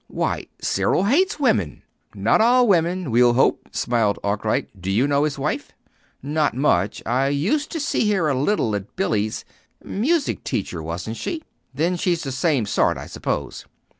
Why, Cyril hates women!" "Not all women we'll hope," smiled Arkwright. "Do you know his wife?" "Not much. I used to see her a little at Billy's. Music teacher, wasn't she? Then she's the same sort, I suppose."